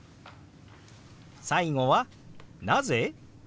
最後は「なぜ？」。